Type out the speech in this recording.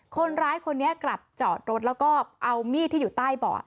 คนร้ายคนนี้กลับจอดรถแล้วก็เอามีดที่อยู่ใต้เบาะ